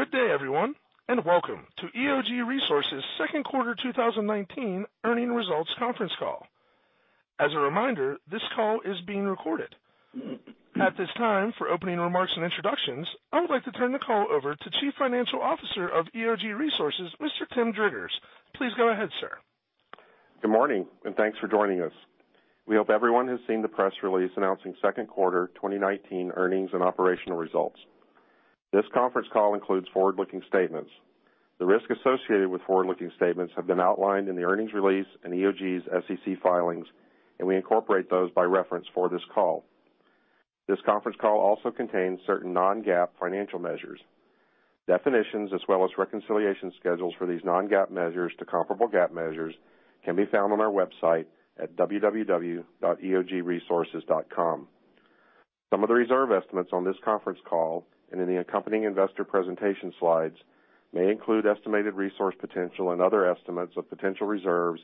Good day, everyone, and welcome to EOG Resources' second quarter 2019 earnings results conference call. As a reminder, this call is being recorded. At this time, for opening remarks and introductions, I would like to turn the call over to Chief Financial Officer of EOG Resources, Mr. Tim Driggers. Please go ahead, sir. Good morning, and thanks for joining us. We hope everyone has seen the press release announcing second quarter 2019 earnings and operational results. This conference call includes forward-looking statements. The risks associated with forward-looking statements have been outlined in the earnings release and EOG Resources' SEC filings, and we incorporate those by reference for this call. This conference call also contains certain non-GAAP financial measures. Definitions, as well as reconciliation schedules for these non-GAAP measures to comparable GAAP measures, can be found on our website at www.eogresources.com. Some of the reserve estimates on this conference call and in the accompanying investor presentation slides may include estimated resource potential and other estimates of potential reserves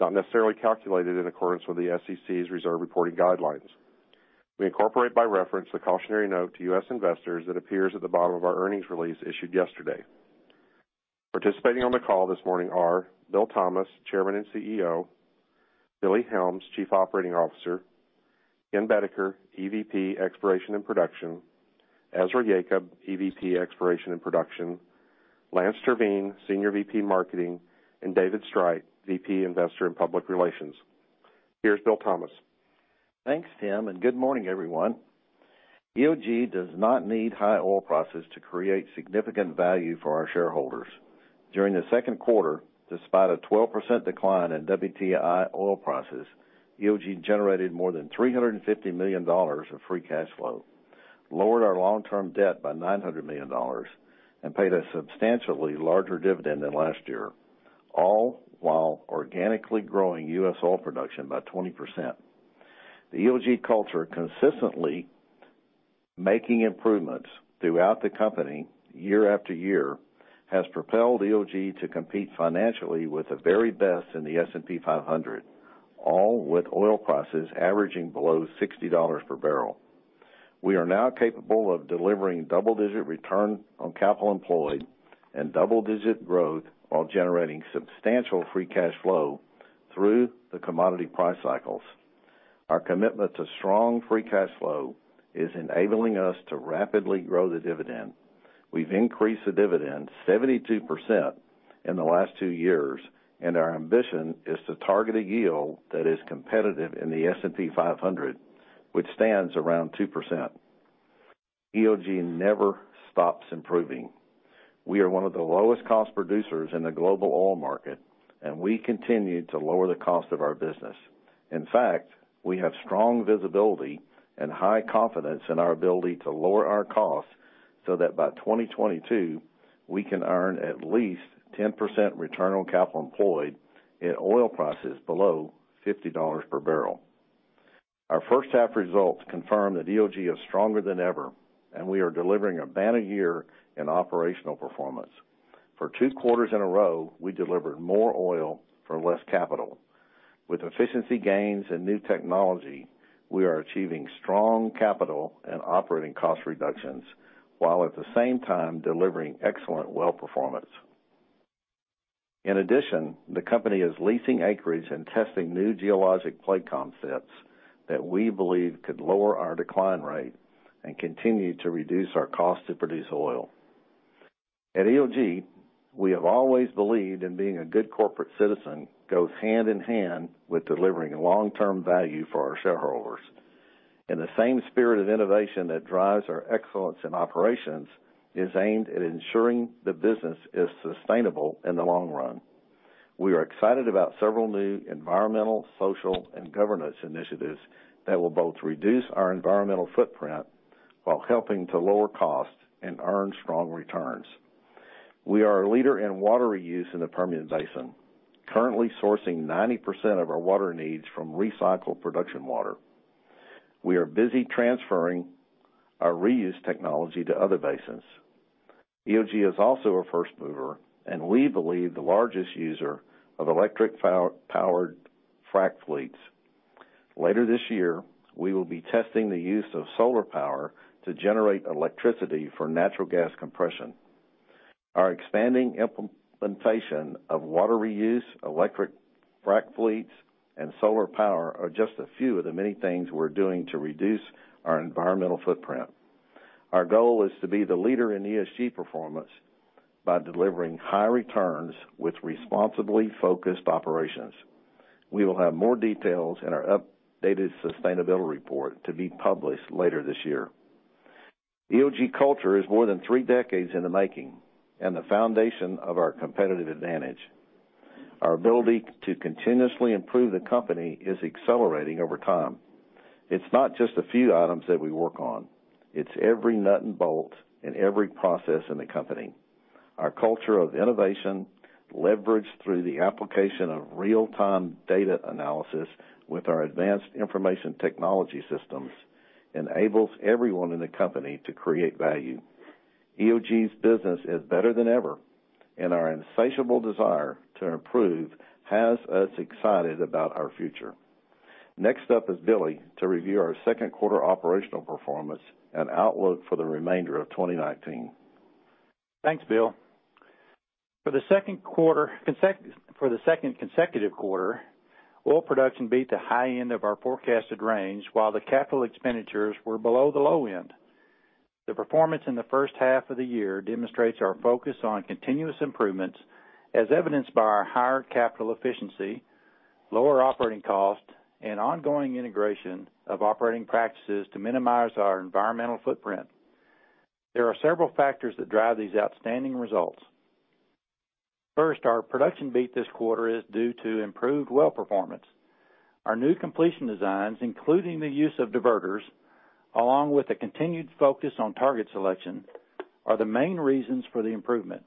not necessarily calculated in accordance with the SEC's reserve reporting guidelines. We incorporate by reference the cautionary note to U.S. investors that appears at the bottom of our earnings release issued yesterday. Participating on the call this morning are Bill Thomas, Chairman and CEO; Billy Helms, Chief Operating Officer; Ken Boedeker, EVP Exploration and Production; Ezra Yacob, EVP Exploration and Production; Lance Terveen, Senior VP Marketing; and David Streit, VP Investor and Public Relations. Here's Bill Thomas. Thanks, Tim. Good morning, everyone. EOG does not need high oil prices to create significant value for our shareholders. During the second quarter, despite a 12% decline in WTI oil prices, EOG generated more than $350 million of free cash flow, lowered our long-term debt by $900 million, and paid a substantially larger dividend than last year, all while organically growing U.S. oil production by 20%. The EOG culture consistently making improvements throughout the company year after year has propelled EOG to compete financially with the very best in the S&P 500, all with oil prices averaging below $60 per barrel. We are now capable of delivering double-digit return on capital employed and double-digit growth while generating substantial free cash flow through the commodity price cycles. Our commitment to strong free cash flow is enabling us to rapidly grow the dividend. We've increased the dividend 72% in the last two years. Our ambition is to target a yield that is competitive in the S&P 500, which stands around 2%. EOG never stops improving. We are one of the lowest cost producers in the global oil market. We continue to lower the cost of our business. In fact, we have strong visibility and high confidence in our ability to lower our costs so that by 2022, we can earn at least 10% return on capital employed at oil prices below $50 per barrel. Our first half results confirm that EOG is stronger than ever. We are delivering a banner year in operational performance. For two quarters in a row, we delivered more oil for less capital. With efficiency gains and new technology, we are achieving strong capital and operating cost reductions while at the same time delivering excellent well performance. In addition, the company is leasing acreage and testing new geologic play concepts that we believe could lower our decline rate and continue to reduce our cost to produce oil. At EOG, we have always believed in being a good corporate citizen goes hand in hand with delivering long-term value for our shareholders. In the same spirit of innovation that drives our excellence in operations is aimed at ensuring the business is sustainable in the long run. We are excited about several new environmental, social, and governance initiatives that will both reduce our environmental footprint while helping to lower costs and earn strong returns. We are a leader in water reuse in the Permian Basin, currently sourcing 90% of our water needs from recycled production water. We are busy transferring our reuse technology to other basins. EOG is also a first mover, and we believe the largest user of electric-powered frac fleets. Later this year, we will be testing the use of solar power to generate electricity for natural gas compression. Our expanding implementation of water reuse, electric frac fleets, and solar power are just a few of the many things we're doing to reduce our environmental footprint. Our goal is to be the leader in ESG performance by delivering high returns with responsibly focused operations. We will have more details in our updated sustainability report to be published later this year. EOG culture is more than three decades in the making and the foundation of our competitive advantage. Our ability to continuously improve the company is accelerating over time. It's not just a few items that we work on. It's every nut and bolt and every process in the company. Our culture of innovation, leveraged through the application of real-time data analysis with our advanced information technology systems, enables everyone in the company to create value. EOG's business is better than ever, and our insatiable desire to improve has us excited about our future. Next up is Billy to review our second quarter operational performance and outlook for the remainder of 2019. Thanks, Bill. For the second consecutive quarter, oil production beat the high end of our forecasted range while the capital expenditures were below the low end. The performance in the first half of the year demonstrates our focus on continuous improvements, as evidenced by our higher capital efficiency, lower operating costs, and ongoing integration of operating practices to minimize our environmental footprint. There are several factors that drive these outstanding results. First, our production beat this quarter is due to improved well performance. Our new completion designs, including the use of diverters, along with a continued focus on target selection, are the main reasons for the improvement.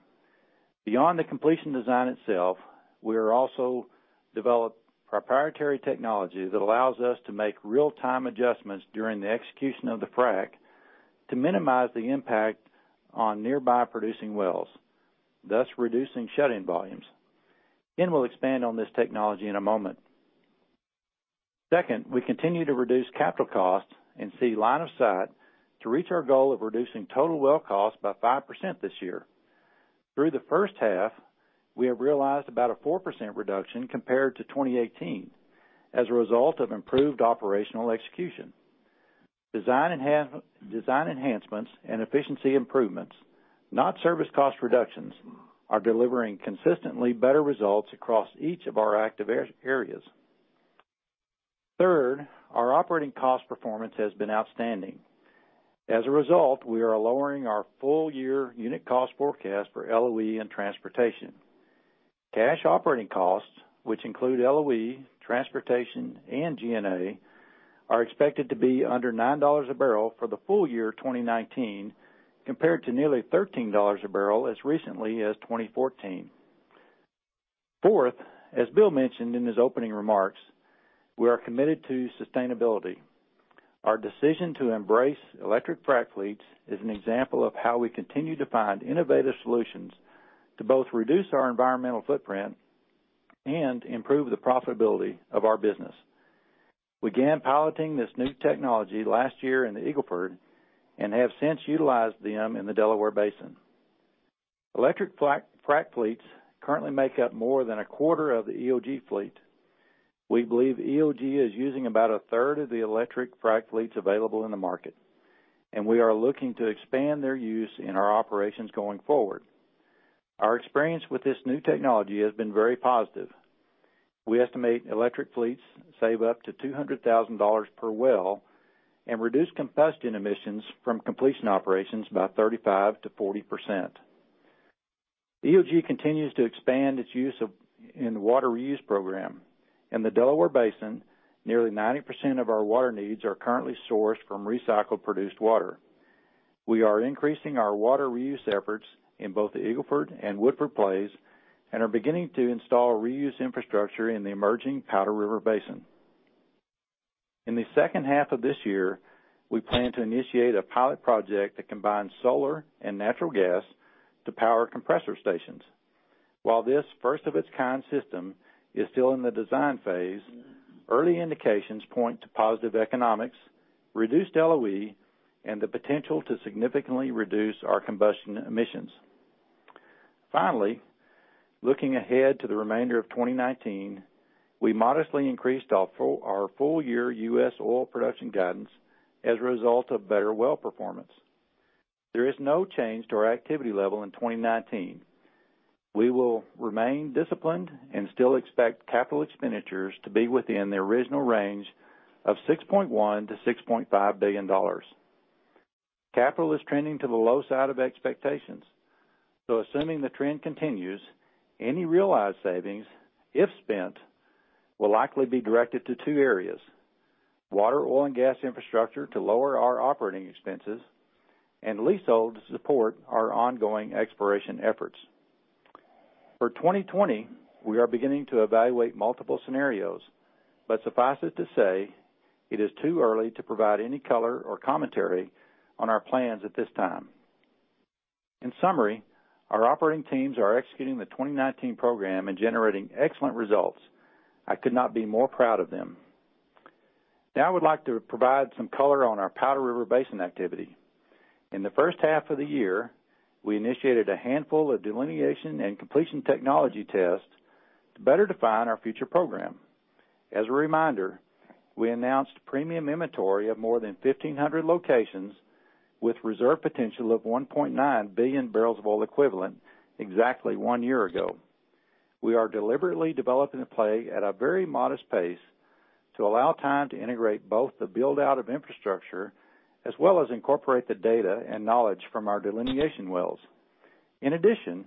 Beyond the completion design itself, we're also developed proprietary technology that allows us to make real-time adjustments during the execution of the frack to minimize the impact on nearby producing wells, thus reducing shut-in volumes. We'll expand on this technology in a moment. Second, we continue to reduce capital costs and see line of sight to reach our goal of reducing total well costs by 5% this year. Through the first half, we have realized about a 4% reduction compared to 2018 as a result of improved operational execution. Design enhancements and efficiency improvements, not service cost reductions, are delivering consistently better results across each of our active areas. Third, our operating cost performance has been outstanding. As a result, we are lowering our full year unit cost forecast for LOE and transportation. Cash operating costs, which include LOE, transportation, and G&A, are expected to be under $9 a barrel for the full year 2019, compared to nearly $13 a barrel as recently as 2014. Fourth, as Bill mentioned in his opening remarks, we are committed to sustainability. Our decision to embrace electric frac fleets is an example of how we continue to find innovative solutions to both reduce our environmental footprint and improve the profitability of our business. We began piloting this new technology last year in the Eagle Ford and have since utilized them in the Delaware Basin. Electric frac fleets currently make up more than a quarter of the EOG fleet. We believe EOG is using about a third of the electric frac fleets available in the market, and we are looking to expand their use in our operations going forward. Our experience with this new technology has been very positive. We estimate electric fleets save up to $200,000 per well and reduce combustion emissions from completion operations by 35%-40%. EOG continues to expand its use in water reuse program. In the Delaware Basin, nearly 90% of our water needs are currently sourced from recycled produced water. We are increasing our water reuse efforts in both the Eagle Ford and Woodford plays and are beginning to install reuse infrastructure in the emerging Powder River Basin. In the second half of this year, we plan to initiate a pilot project that combines solar and natural gas to power compressor stations. While this first-of-its-kind system is still in the design phase, early indications point to positive economics, reduced LOE, and the potential to significantly reduce our combustion emissions. Finally, looking ahead to the remainder of 2019, we modestly increased our full-year U.S. oil production guidance as a result of better well performance. There is no change to our activity level in 2019. We will remain disciplined and still expect capital expenditures to be within the original range of $6.1 billion-$6.5 billion. Capital is trending to the low side of expectations. Assuming the trend continues, any realized savings, if spent, will likely be directed to two areas. Water, oil, and gas infrastructure to lower our operating expenses and leasehold to support our ongoing exploration efforts. For 2020, we are beginning to evaluate multiple scenarios, suffice it to say, it is too early to provide any color or commentary on our plans at this time. In summary, our operating teams are executing the 2019 program and generating excellent results. I could not be more proud of them. I would like to provide some color on our Powder River Basin activity. In the first half of the year, we initiated a handful of delineation and completion technology tests to better define our future program. As a reminder, we announced premium inventory of more than 1,500 locations with reserve potential of 1.9 billion barrels of oil equivalent exactly one year ago. We are deliberately developing a play at a very modest pace to allow time to integrate both the build-out of infrastructure, as well as incorporate the data and knowledge from our delineation wells. In addition,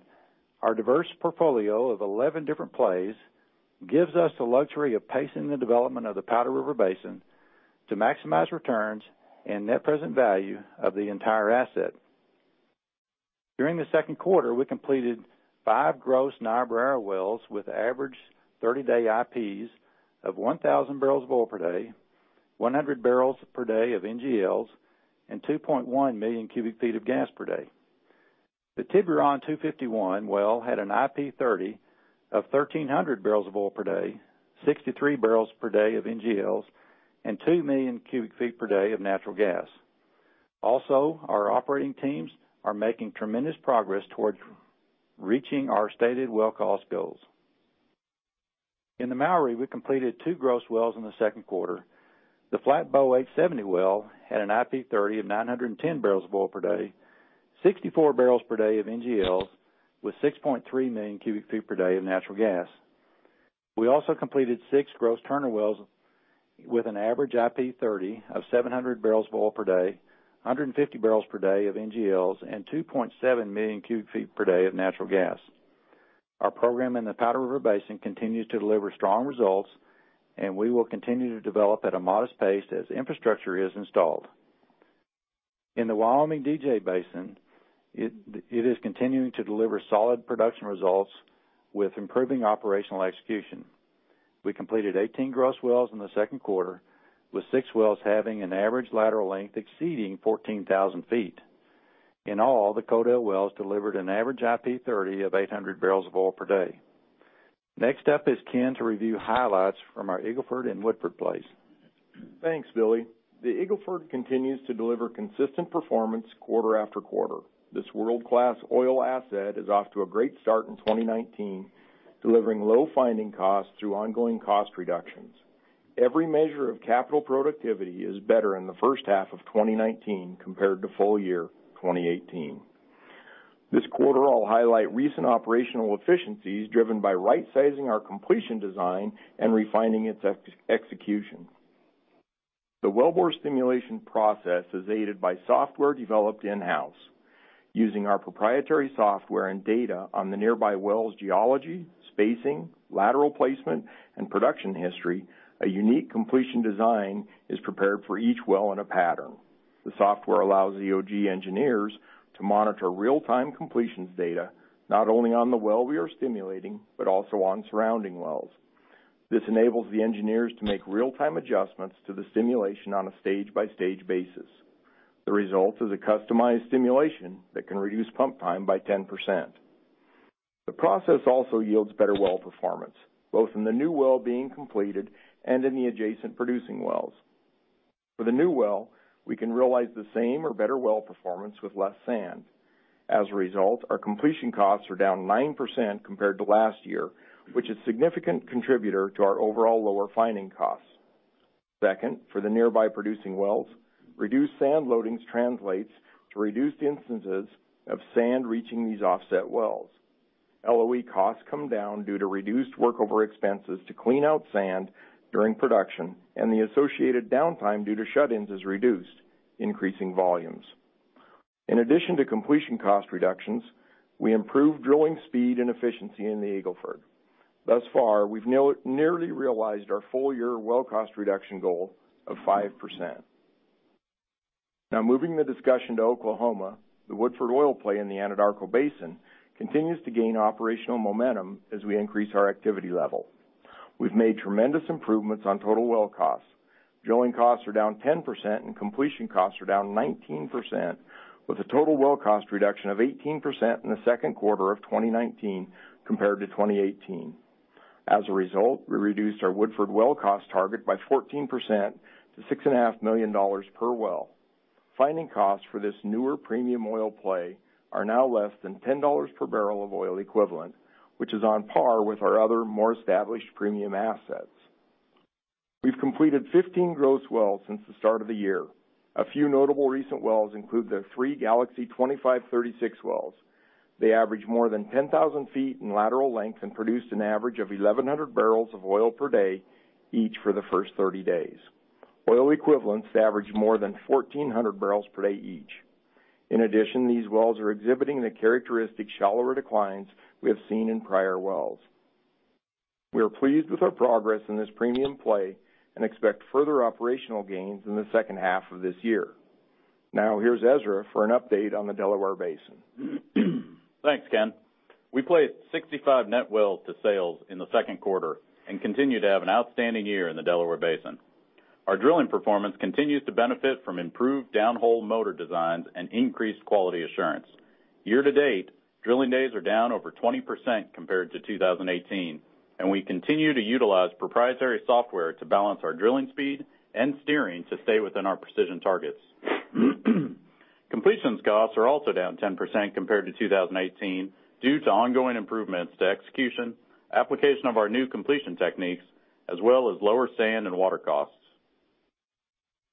our diverse portfolio of 11 different plays gives us the luxury of pacing the development of the Powder River Basin to maximize returns and net present value of the entire asset. During the second quarter, we completed five gross Niobrara wells with average 30-day IPs of 1,000 barrels of oil per day, 100 barrels per day of NGLs, and 2.1 million cubic feet of gas per day. The Tiburon 251 well had an IP 30 of 1,300 barrels of oil per day, 63 barrels per day of NGLs, and 2 million cubic feet per day of natural gas. Also, our operating teams are making tremendous progress towards reaching our stated well cost goals. In the Mowry, we completed two gross wells in the second quarter. The Flatbow 870 well had an IP 30 of 910 barrels of oil per day, 64 barrels per day of NGLs, with 6.3 million cubic feet per day of natural gas. We also completed six gross Turner wells with an average IP 30 of 700 barrels of oil per day, 150 barrels per day of NGLs, and 2.7 million cubic feet per day of natural gas. Our program in the Powder River Basin continues to deliver strong results, and we will continue to develop at a modest pace as infrastructure is installed. In the Wyoming DJ Basin, it is continuing to deliver solid production results with improving operational execution. We completed 18 gross wells in the second quarter, with six wells having an average lateral length exceeding 14,000 feet. In all, the Cody wells delivered an average IP 30 of 800 barrels of oil per day. Next up is Ken to review highlights from our Eagle Ford and Woodford plays. Thanks, Billy. The Eagle Ford continues to deliver consistent performance quarter after quarter. This world-class oil asset is off to a great start in 2019, delivering low finding costs through ongoing cost reductions. Every measure of capital productivity is better in the first half of 2019 compared to full year 2018. This quarter, I'll highlight recent operational efficiencies driven by right-sizing our completion design and refining its execution. The well bore stimulation process is aided by software developed in-house. Using our proprietary software and data on the nearby wells' geology, spacing, lateral placement, and production history, a unique completion design is prepared for each well in a pattern. The software allows the EOG engineers to monitor real-time completions data, not only on the well we are stimulating, but also on surrounding wells. This enables the engineers to make real-time adjustments to the stimulation on a stage-by-stage basis. The result is a customized stimulation that can reduce pump time by 10%. The process also yields better well performance, both in the new well being completed and in the adjacent producing wells. For the new well, we can realize the same or better well performance with less sand. As a result, our completion costs are down 9% compared to last year, which is a significant contributor to our overall lower finding costs. Second, for the nearby producing wells, reduced sand loadings translates to reduced instances of sand reaching these offset wells. LOE costs come down due to reduced workover expenses to clean out sand during production, and the associated downtime due to shut-ins is reduced, increasing volumes. In addition to completion cost reductions, we improved drilling speed and efficiency in the Eagle Ford. Thus far, we've nearly realized our full-year well cost reduction goal of 5%. Moving the discussion to Oklahoma, the Woodford oil play in the Anadarko Basin continues to gain operational momentum as we increase our activity level. We've made tremendous improvements on total well costs. Drilling costs are down 10% and completion costs are down 19%, with a total well cost reduction of 18% in the second quarter of 2019 compared to 2018. As a result, we reduced our Woodford well cost target by 14% to $6.5 million per well. Finding costs for this newer premium oil play are now less than $10 per barrel of oil equivalent, which is on par with our other more established premium assets. We've completed 15 gross wells since the start of the year. A few notable recent wells include the three Galaxy 25 36 wells. They average more than 10,000 feet in lateral length and produced an average of 1,100 barrels of oil per day each for the first 30 days. Oil equivalents averaged more than 1,400 barrels per day each. In addition, these wells are exhibiting the characteristic shallower declines we have seen in prior wells. We are pleased with our progress in this premium play and expect further operational gains in the second half of this year. Now here's Ezra for an update on the Delaware Basin. Thanks, Ken. We placed 65 net wells to sales in the second quarter and continue to have an outstanding year in the Delaware Basin. Our drilling performance continues to benefit from improved down-hole motor designs and increased quality assurance. Year to date, drilling days are down over 20% compared to 2018, and we continue to utilize proprietary software to balance our drilling speed and steering to stay within our precision targets. Completions costs are also down 10% compared to 2018 due to ongoing improvements to execution, application of our new completion techniques, as well as lower sand and water costs.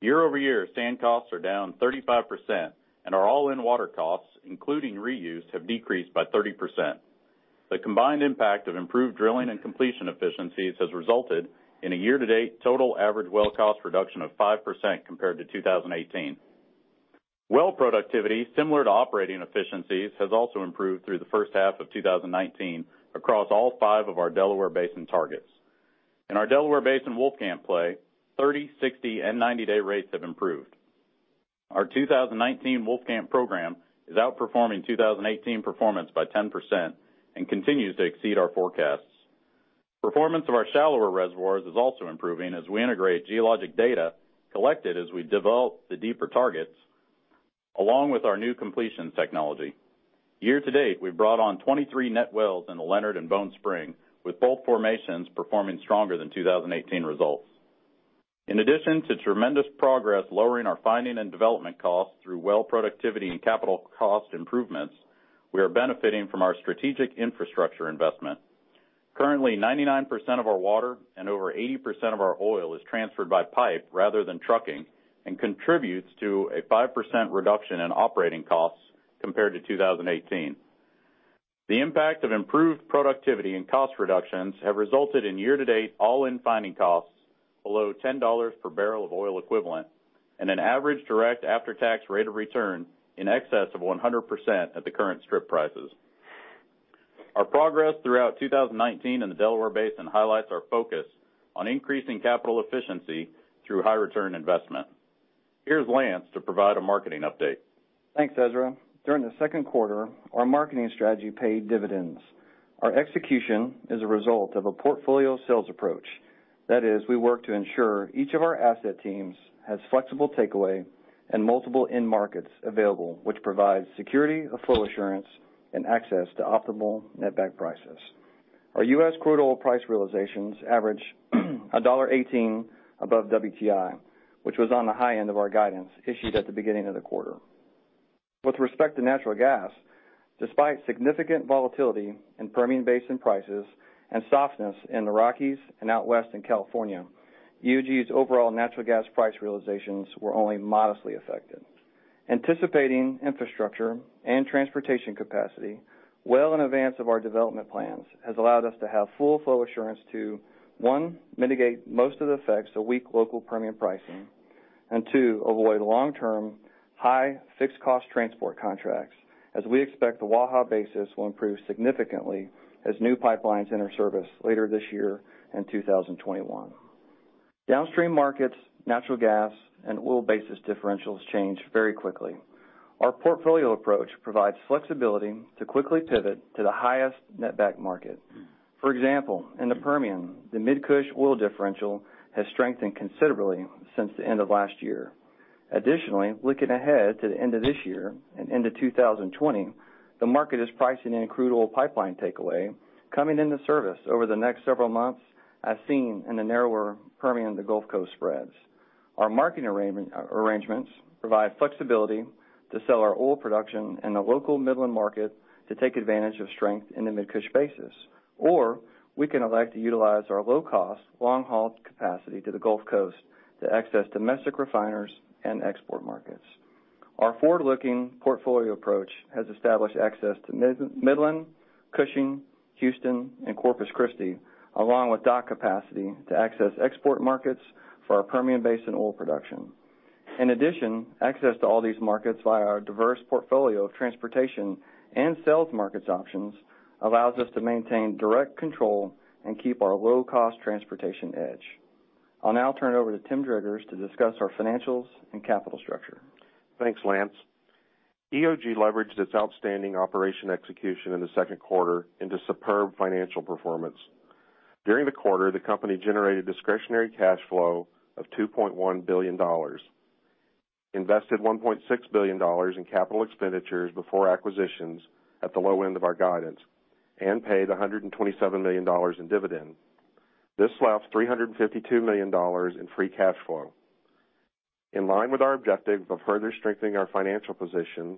Year over year, sand costs are down 35%, and our all-in water costs, including reuse, have decreased by 30%. The combined impact of improved drilling and completion efficiencies has resulted in a year to date total average well cost reduction of 5% compared to 2018. Well productivity, similar to operating efficiencies, has also improved through the first half of 2019 across all five of our Delaware Basin targets. In our Delaware Basin Wolfcamp play, 30, 60, and 90-day rates have improved. Our 2019 Wolfcamp program is outperforming 2018 performance by 10% and continues to exceed our forecasts. Performance of our shallower reservoirs is also improving as we integrate geologic data collected as we develop the deeper targets, along with our new completion technology. Year to date, we've brought on 23 net wells in the Leonard and Bone Spring, with both formations performing stronger than 2018 results. In addition to tremendous progress lowering our finding and development costs through well productivity and capital cost improvements, we are benefiting from our strategic infrastructure investment. Currently, 99% of our water and over 80% of our oil is transferred by pipe rather than trucking, and contributes to a 5% reduction in operating costs compared to 2018. The impact of improved productivity and cost reductions have resulted in year to date all-in finding costs below $10 per barrel of oil equivalent, and an average direct after-tax rate of return in excess of 100% at the current strip prices. Our progress throughout 2019 in the Delaware Basin highlights our focus on increasing capital efficiency through high return investment. Here's Lance to provide a marketing update. Thanks, Ezra. During the second quarter, our marketing strategy paid dividends. Our execution is a result of a portfolio sales approach. That is, we work to ensure each of our asset teams has flexible takeaway and multiple end markets available, which provides security of flow assurance and access to optimal net back prices. Our US crude oil price realizations average $1.18 above WTI, which was on the high end of our guidance issued at the beginning of the quarter. With respect to natural gas, despite significant volatility in Permian Basin prices and softness in the Rockies and out west in California, EOG's overall natural gas price realizations were only modestly affected. Anticipating infrastructure and transportation capacity well in advance of our development plans has allowed us to have full flow assurance to, one, mitigate most of the effects of weak local Permian pricing, and two, avoid long-term, high fixed cost transport contracts, as we expect the WAHA basis will improve significantly as new pipelines enter service later this year in 2021. Downstream markets, natural gas, and oil basis differentials change very quickly. Our portfolio approach provides flexibility to quickly pivot to the highest net back market. For example, in the Permian, the Mid-Cush oil differential has strengthened considerably since the end of last year. Additionally, looking ahead to the end of this year and into 2020, the market is pricing in crude oil pipeline takeaway coming into service over the next several months, as seen in the narrower Permian to Gulf Coast spreads. Our marketing arrangements provide flexibility to sell our oil production in the local Midland market to take advantage of strength in the Mid-Cush basis. We can elect to utilize our low-cost, long-haul capacity to the Gulf Coast to access domestic refiners and export markets. Our forward-looking portfolio approach has established access to Midland, Cushing, Houston, and Corpus Christi, along with dock capacity to access export markets for our Permian Basin oil production. In addition, access to all these markets via our diverse portfolio of transportation and sales markets options allows us to maintain direct control and keep our low-cost transportation edge. I'll now turn it over to Tim Driggers to discuss our financials and capital structure. Thanks, Lance. EOG leveraged its outstanding operation execution in the second quarter into superb financial performance. During the quarter, the company generated discretionary cash flow of $2.1 billion, invested $1.6 billion in capital expenditures before acquisitions at the low end of our guidance, and paid $127 million in dividends. This left $352 million in free cash flow. In line with our objective of further strengthening our financial position,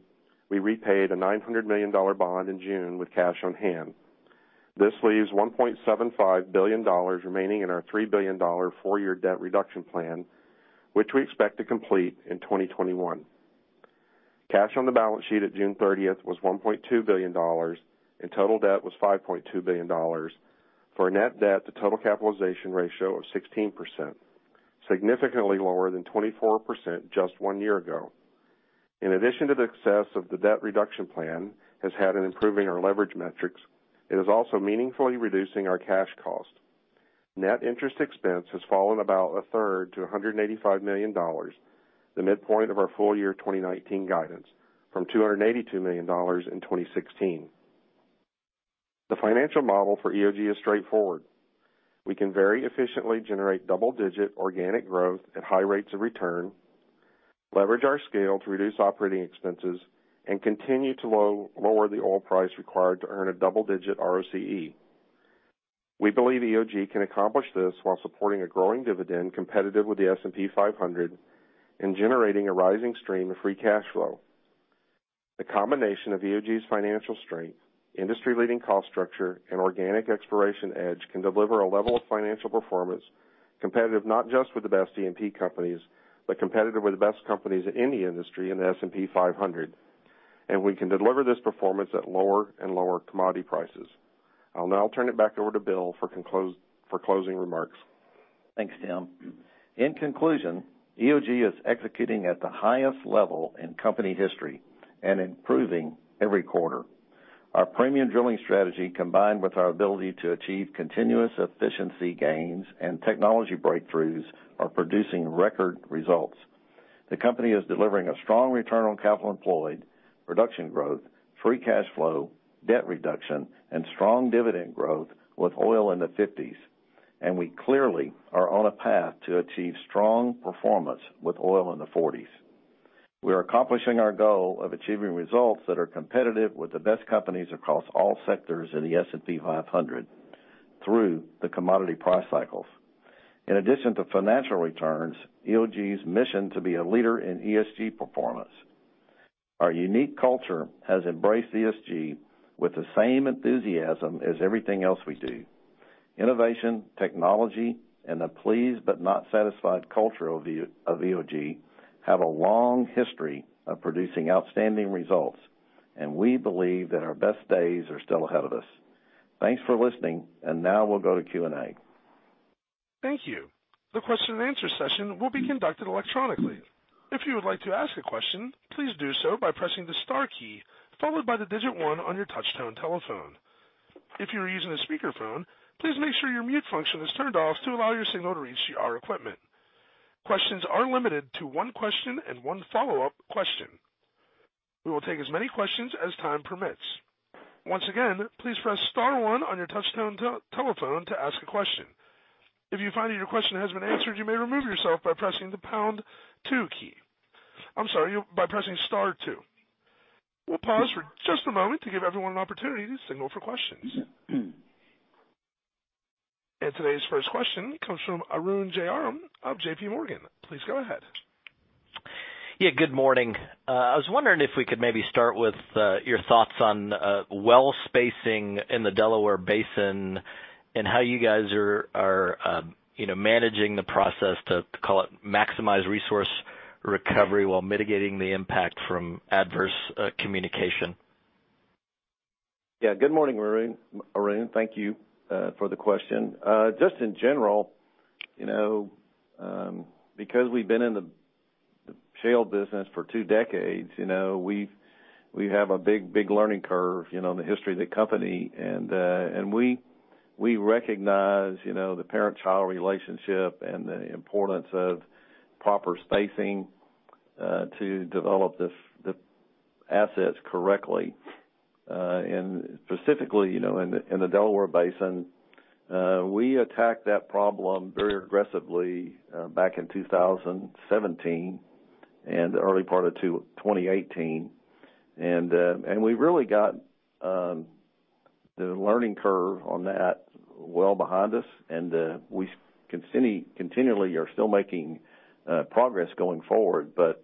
we repaid a $900 million bond in June with cash on hand. This leaves $1.75 billion remaining in our $3 billion four-year debt reduction plan, which we expect to complete in 2021. Cash on the balance sheet at June 30th was $1.2 billion, and total debt was $5.2 billion. For a net debt to total capitalization ratio of 16%, significantly lower than 24% just one year ago. In addition to the success of the debt reduction plan has had in improving our leverage metrics, it is also meaningfully reducing our cash cost. Net interest expense has fallen about a third to $185 million, the midpoint of our full year 2019 guidance, from $282 million in 2016. The financial model for EOG is straightforward. We can very efficiently generate double-digit organic growth at high rates of return, leverage our scale to reduce operating expenses, and continue to lower the oil price required to earn a double-digit ROCE. We believe EOG can accomplish this while supporting a growing dividend competitive with the S&P 500 and generating a rising stream of free cash flow. The combination of EOG's financial strength, industry-leading cost structure, and organic exploration edge can deliver a level of financial performance competitive not just with the best E&P companies, but competitive with the best companies in the industry in the S&P 500. We can deliver this performance at lower and lower commodity prices. I'll now turn it back over to Bill for closing remarks. Thanks, Tim. In conclusion, EOG is executing at the highest level in company history and improving every quarter. Our premium drilling strategy, combined with our ability to achieve continuous efficiency gains and technology breakthroughs, are producing record results. The company is delivering a strong return on capital employed, production growth, free cash flow, debt reduction, and strong dividend growth with oil in the 50s. We clearly are on a path to achieve strong performance with oil in the 40s. We are accomplishing our goal of achieving results that are competitive with the best companies across all sectors in the S&P 500 through the commodity price cycles. In addition to financial returns, EOG's mission to be a leader in ESG performance. Our unique culture has embraced ESG with the same enthusiasm as everything else we do. Innovation, technology, and the pleased but not satisfied culture of EOG have a long history of producing outstanding results, and we believe that our best days are still ahead of us. Thanks for listening, and now we'll go to Q&A. Thank you. The question and answer session will be conducted electronically. If you would like to ask a question, please do so by pressing the star key, followed by the digit 1 on your touchtone telephone. If you are using a speakerphone, please make sure your mute function is turned off to allow your signal to reach our equipment. Questions are limited to one question and one follow-up question. We will take as many questions as time permits. Once again, please press star 1 on your touchtone telephone to ask a question. If you find that your question has been answered, you may remove yourself by pressing the pound 2 key. I'm sorry, by pressing star 2. We'll pause for just a moment to give everyone an opportunity to signal for questions. Today's first question comes from Arun Jayaram of JPMorgan. Please go ahead. Yeah, good morning. I was wondering if we could maybe start with your thoughts on well spacing in the Delaware Basin, and how you guys are managing the process to, call it maximize resource recovery while mitigating the impact from adverse communication. Yeah. Good morning, Arun. Thank you for the question. Just in general, because we've been in the shale business for two decades, we have a big learning curve in the history of the company. We recognize the parent-child relationship and the importance of proper spacing to develop the assets correctly. Specifically, in the Delaware Basin, we attacked that problem very aggressively back in 2017 and the early part of 2018. We really got the learning curve on that well behind us. We continually are still making progress going forward, but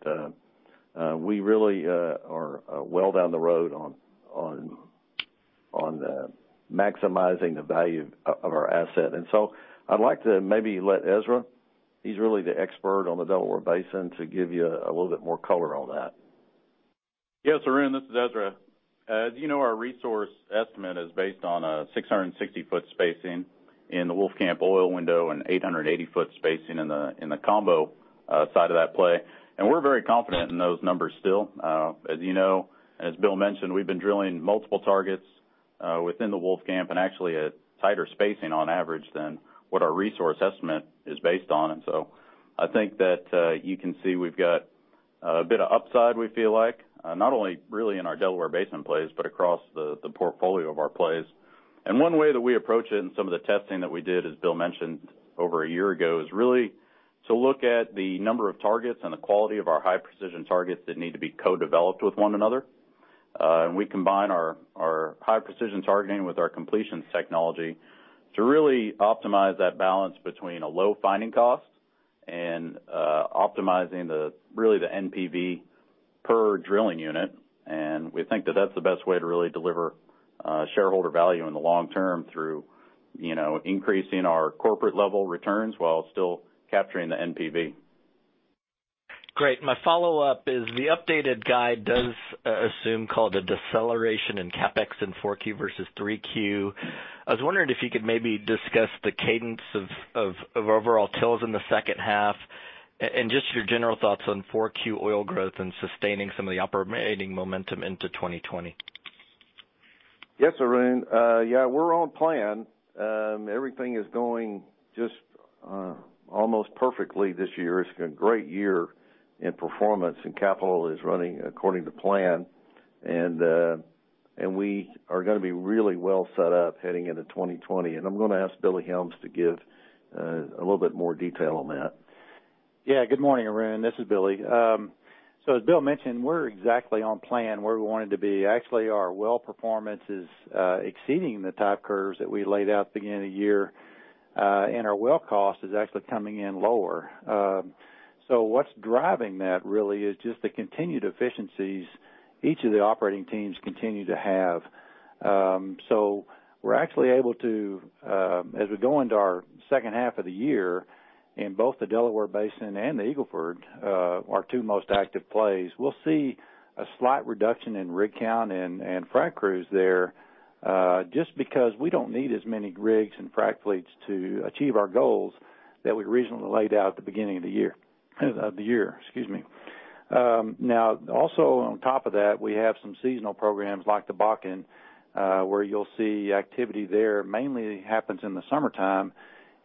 we really are well down the road on maximizing the value of our asset. I'd like to maybe let Ezra, he's really the expert on the Delaware Basin, to give you a little bit more color on that. Yeah, Arun, this is Ezra. As you know, our resource estimate is based on a 660-foot spacing in the Wolfcamp oil window and 880-foot spacing in the combo side of that play. We're very confident in those numbers still. As you know, as Bill mentioned, we've been drilling multiple targets within the Wolfcamp, and actually at tighter spacing on average than what our resource estimate is based on. I think that you can see we've got a bit of upside, we feel like, not only really in our Delaware Basin plays, but across the portfolio of our plays. One way that we approach it, and some of the testing that we did, as Bill mentioned over a year ago, is really to look at the number of targets and the quality of our high-precision targets that need to be co-developed with one another. We combine our high-precision targeting with our completions technology to really optimize that balance between a low finding cost and optimizing really the NPV per drilling unit. We think that that's the best way to really deliver shareholder value in the long term through increasing our corporate level returns while still capturing the NPV. Great. My follow-up is the updated guide does assume call it a deceleration in CapEx in 4Q versus 3Q. I was wondering if you could maybe discuss the cadence of overall drills in the second half, and just your general thoughts on 4Q oil growth and sustaining some of the operating momentum into 2020. Yes, Arun. Yeah, we're on plan. Everything is going just almost perfectly this year. It's been a great year in performance, and capital is running according to plan. We are going to be really well set up heading into 2020. I'm going to ask Billy Helms to give a little bit more detail on that. Good morning, Arun. This is Billy. As Bill mentioned, we're exactly on plan where we wanted to be. Actually, our well performance is exceeding the type curves that we laid out at the beginning of the year. Our well cost is actually coming in lower. What's driving that really is just the continued efficiencies each of the operating teams continue to have. We're actually able to, as we go into our second half of the year in both the Delaware Basin and the Eagle Ford, our two most active plays, we'll see a slight reduction in rig count and frac crews there, just because we don't need as many rigs and frac fleets to achieve our goals that we originally laid out at the beginning of the year. Excuse me. Also on top of that, we have some seasonal programs like the Bakken, where you'll see activity there mainly happens in the summertime,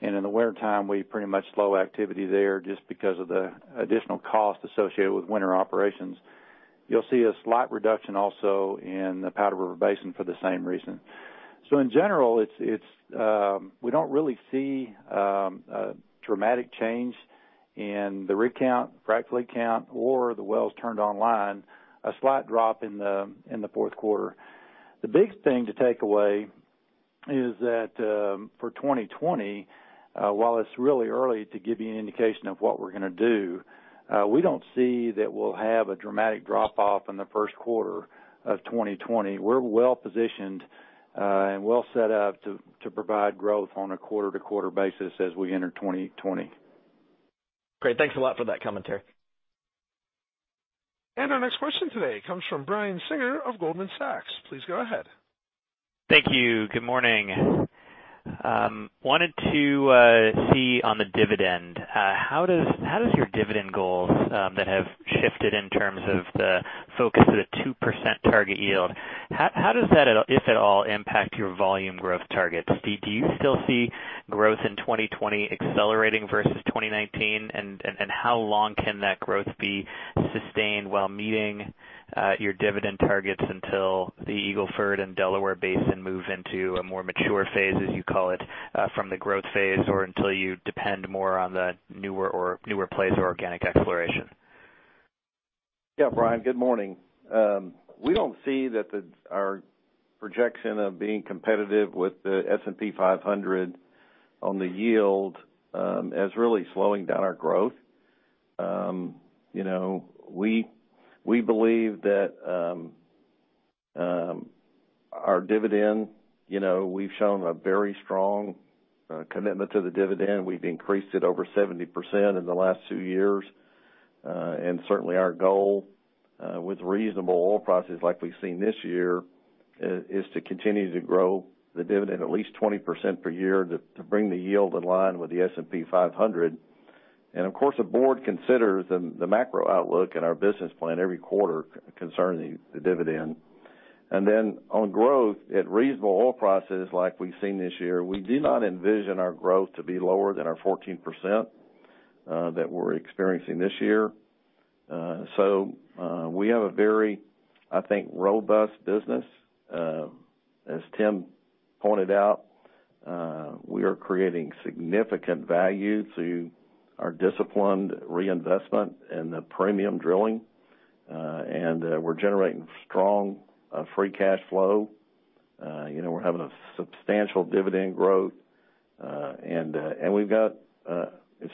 and in the wintertime, we pretty much slow activity there just because of the additional cost associated with winter operations. You'll see a slight reduction also in the Powder River Basin for the same reason. In general, we don't really see a dramatic change in the rig count, frac fleet count, or the wells turned online, a slight drop in the fourth quarter. The big thing to take away is that for 2020, while it's really early to give you an indication of what we're going to do, we don't see that we'll have a dramatic drop-off in the first quarter of 2020. We're well-positioned, and well set up to provide growth on a quarter-to-quarter basis as we enter 2020. Great. Thanks a lot for that commentary. Our next question today comes from Brian Singer of Goldman Sachs. Please go ahead. Thank you. Good morning. Wanted to see on the dividend, how does your dividend goals that have shifted in terms of the focus of the 2% target yield, how does that, if at all, impact your volume growth targets? Do you still see growth in 2020 accelerating versus 2019? How long can that growth be sustained while meeting your dividend targets until the Eagle Ford and Delaware Basin move into a more mature phase, as you call it, from the growth phase or until you depend more on the newer plays or organic exploration? Brian, good morning. We don't see that our projection of being competitive with the S&P 500 on the yield as really slowing down our growth. We believe that our dividend, we've shown a very strong commitment to the dividend. We've increased it over 70% in the last two years. Certainly our goal with reasonable oil prices like we've seen this year is to continue to grow the dividend at least 20% per year to bring the yield in line with the S&P 500. Of course, the board considers the macro outlook and our business plan every quarter concerning the dividend. On growth, at reasonable oil prices like we've seen this year, we do not envision our growth to be lower than our 14% that we're experiencing this year. We have a very, I think, robust business. As Tim pointed out, we are creating significant value through our disciplined reinvestment in the premium drilling. We're generating strong free cash flow. We're having a substantial dividend growth. We've got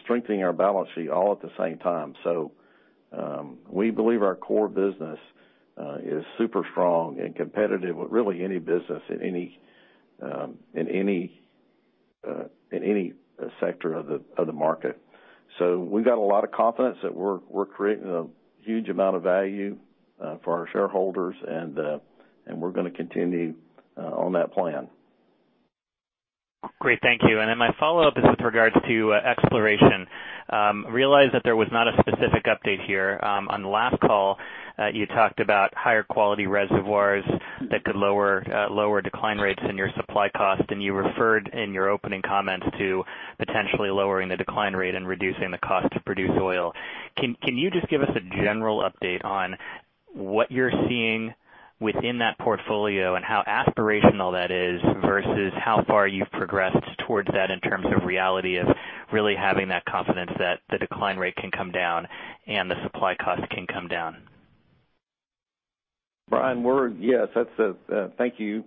strengthening our balance sheet all at the same time. We believe our core business is super strong and competitive with really any business in any sector of the market. We've got a lot of confidence that we're creating a huge amount of value for our shareholders, and we're going to continue on that plan. Great. Thank you. My follow-up is with regards to exploration. Realize that there was not a specific update here. On the last call, you talked about higher quality reservoirs that could lower decline rates in your supply cost, and you referred in your opening comments to potentially lowering the decline rate and reducing the cost to produce oil. Can you just give us a general update on what you're seeing within that portfolio and how aspirational that is versus how far you've progressed towards that in terms of reality of really having that confidence that the decline rate can come down and the supply cost can come down? Brian, thank you.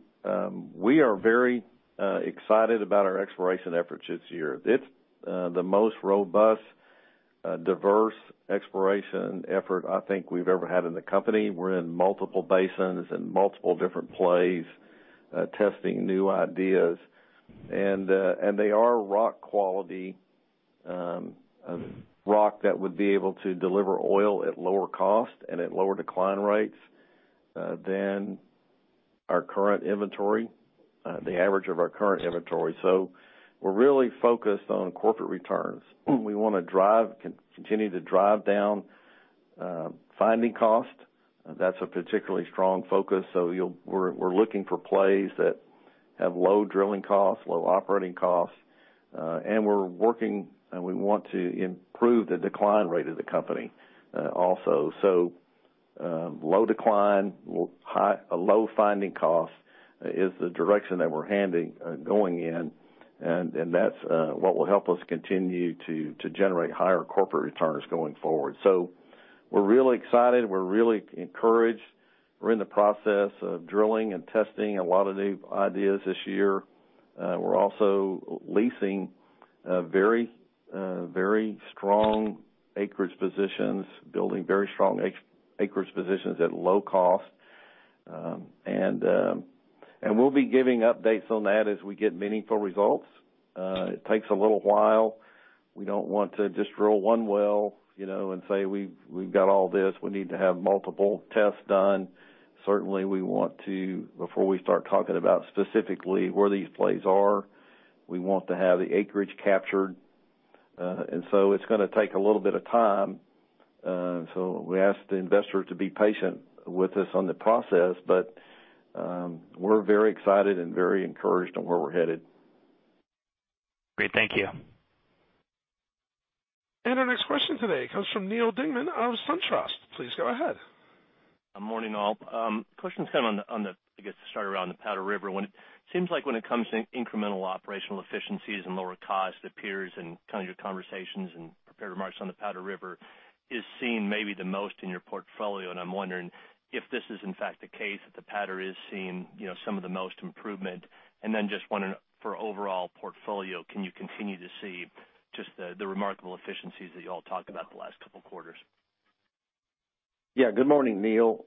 We are very excited about our exploration efforts this year. It's the most robust, diverse exploration effort I think we've ever had in the company. We're in multiple basins and multiple different plays, testing new ideas, and they are rock quality, rock that would be able to deliver oil at lower cost and at lower decline rates than our current inventory, the average of our current inventory. We're really focused on corporate returns. We want to continue to drive down finding cost. That's a particularly strong focus. We're looking for plays that have low drilling costs, low operating costs, and we're working, and we want to improve the decline rate of the company also. Low decline, a low finding cost is the direction that we're going in, and that's what will help us continue to generate higher corporate returns going forward. We're really excited. We're really encouraged. We're in the process of drilling and testing a lot of new ideas this year. We're also leasing very strong acreage positions, building very strong acreage positions at low cost. We'll be giving updates on that as we get meaningful results. It takes a little while. We don't want to just drill one well and say, "We've got all this." We need to have multiple tests done. Certainly, we want to, before we start talking about specifically where these plays are. We want to have the acreage captured. It's going to take a little bit of time, so we ask the investor to be patient with us on the process, but we're very excited and very encouraged on where we're headed. Great. Thank you. Our next question today comes from Neal Dingmann of SunTrust Robinson Humphrey. Please go ahead. Morning, all. Question's on the, I guess, to start around the Powder River. When it seems like when it comes to incremental operational efficiencies and lower cost, it appears in your conversations and prepared remarks on the Powder River is seen maybe the most in your portfolio, and I'm wondering if this is, in fact, the case, that the Powder is seeing some of the most improvement. Then just wondering for overall portfolio, can you continue to see just the remarkable efficiencies that you all talked about the last couple of quarters? Yeah. Good morning, Neal.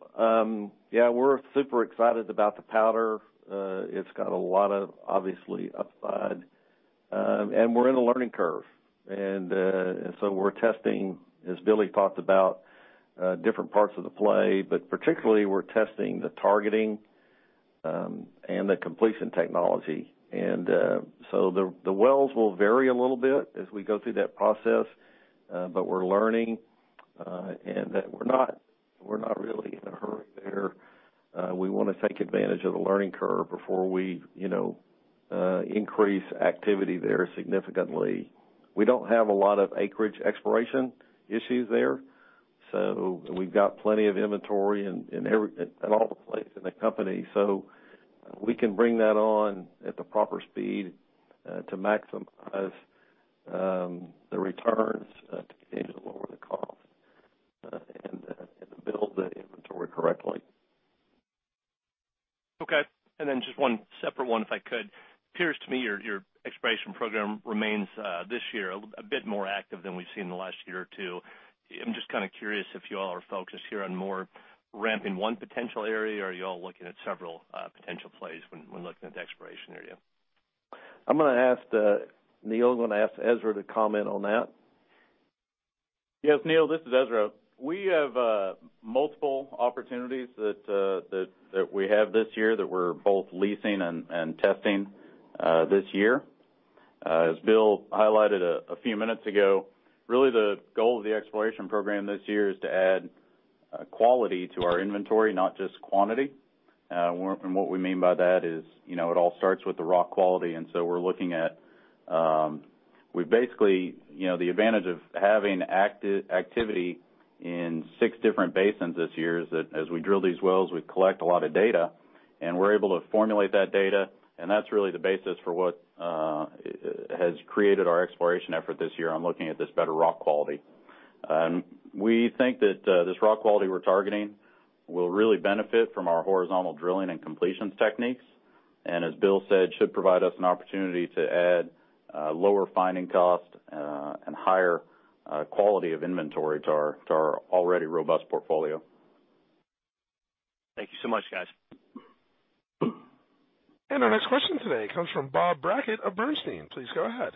Yeah, we're super excited about the Powder. It's got a lot of, obviously, upside. We're in a learning curve. We're testing, as Billy talked about, different parts of the play, but particularly, we're testing the targeting and the completion technology. The wells will vary a little bit as we go through that process. We're learning, and that we're not really in a hurry there. We want to take advantage of the learning curve before we increase activity there significantly. We don't have a lot of acreage exploration issues there. We've got plenty of inventory in all the plays in the company, so we can bring that on at the proper speed to maximize the returns to continue to lower the cost and to build the inventory correctly. Okay. Just one separate one if I could. It appears to me your exploration program remains this year a bit more active than we've seen in the last year or two. I'm just curious if you all are focused here on more ramping one potential area, or are you all looking at several potential plays when looking at the exploration area? Neal, I'm going to ask Ezra to comment on that. Yes, Neal, this is Ezra. We have multiple opportunities that we have this year that we're both leasing and testing this year. As Bill highlighted a few minutes ago, really the goal of the exploration program this year is to add quality to our inventory, not just quantity. What we mean by that is it all starts with the raw quality. We've basically, the advantage of having activity in six different basins this year is that as we drill these wells, we collect a lot of data, and we're able to formulate that data, and that's really the basis for what has created our exploration effort this year on looking at this better raw quality. We think that this raw quality we're targeting will really benefit from our horizontal drilling and completions techniques, and as Bill said, should provide us an opportunity to add lower finding cost, and higher quality of inventory to our already robust portfolio. Thank you so much, guys. Our next question today comes from Bob Brackett of Bernstein. Please go ahead.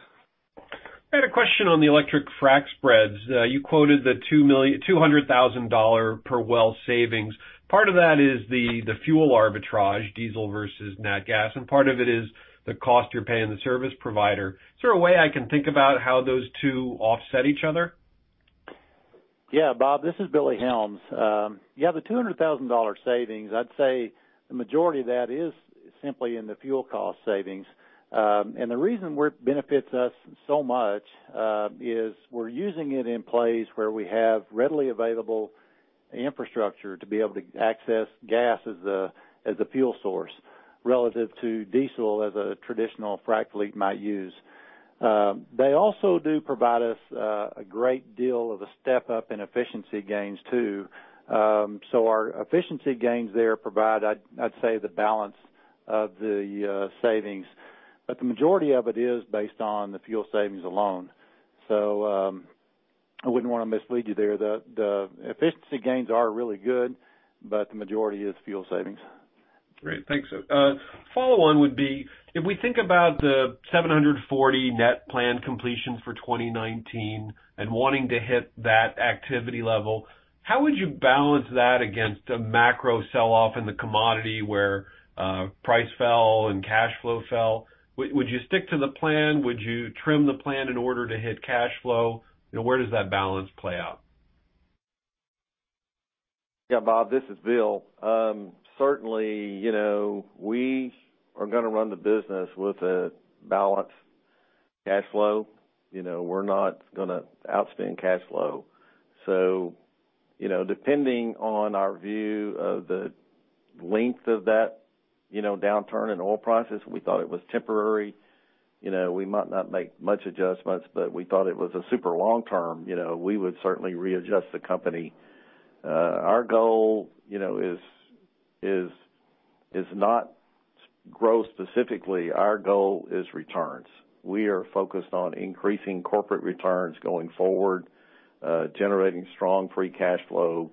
I had a question on the electric frac spreads. You quoted the $200,000 per well savings. Part of that is the fuel arbitrage, diesel versus nat gas, and part of it is the cost you're paying the service provider. Is there a way I can think about how those two offset each other? Yeah, Bob, this is Billy Helms. The $200,000 savings, I'd say the majority of that is simply in the fuel cost savings. The reason where it benefits us so much is we're using it in plays where we have readily available infrastructure to be able to access gas as a fuel source relative to diesel as a traditional frac fleet might use. They also do provide us a great deal of a step-up in efficiency gains, too. Our efficiency gains there provide, I'd say, the balance of the savings. The majority of it is based on the fuel savings alone. I wouldn't want to mislead you there. The efficiency gains are really good, but the majority is fuel savings. Great. Thanks. A follow-on would be, if we think about the 740 net plan completions for 2019 and wanting to hit that activity level, how would you balance that against a macro sell-off in the commodity where price fell and cash flow fell? Would you stick to the plan? Would you trim the plan in order to hit cash flow? Where does that balance play out? Yeah, Bob, this is Bill. We're going to run the business with a balanced cash flow. We're not going to outspend cash flow. Depending on our view of the length of that downturn in oil prices, we thought it was temporary. We might not make much adjustments, we thought it was a super long term, we would readjust the company. Our goal is not growth specifically. Our goal is returns. We're focused on increasing corporate returns going forward, generating strong free cash flow.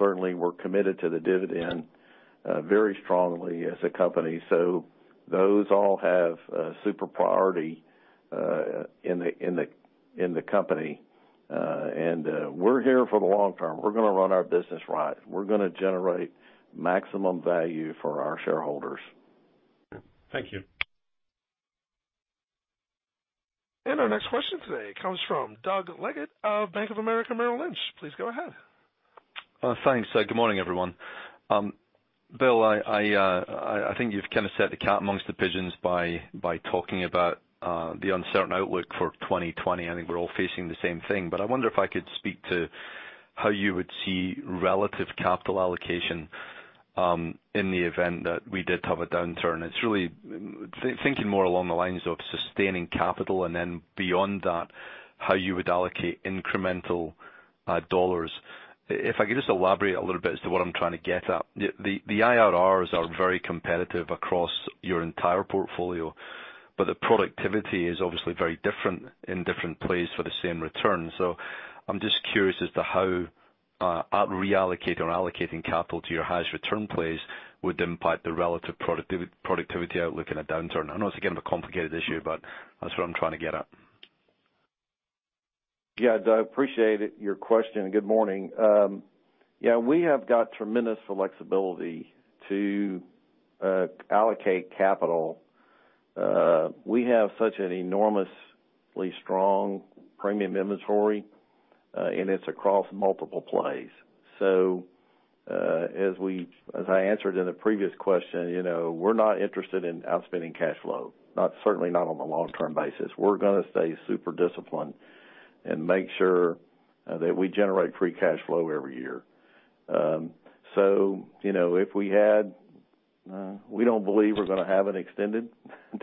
We're committed to the dividend very strongly as a company. Those all have super priority in the company. We're here for the long term. We're going to run our business right. We're going to generate maximum value for our shareholders. Thank you. Our next question today comes from Doug Leggate of Bank of America Merrill Lynch. Please go ahead. Thanks. Good morning, everyone. Bill, I think you've kind of set the cat amongst the pigeons by talking about the uncertain outlook for 2020. I think we're all facing the same thing. I wonder if I could speak to how you would see relative capital allocation in the event that we did have a downturn. It's really thinking more along the lines of sustaining capital. Beyond that, how you would allocate incremental dollars. If I could just elaborate a little bit as to what I'm trying to get at. The IRRs are very competitive across your entire portfolio. The productivity is obviously very different in different plays for the same return. I'm just curious as to how reallocating capital to your highest return plays would impact the relative productivity outlook in a downturn. I know it's again, a complicated issue, but that's what I'm trying to get at. Yeah, Doug, appreciate it, your question, and good morning. We have got tremendous flexibility to allocate capital. We have such an enormously strong premium inventory. It's across multiple plays. As I answered in a previous question, we're not interested in outspending cash flow, certainly not on a long-term basis. We're going to stay super disciplined and make sure that we generate free cash flow every year. We don't believe we're going to have an extended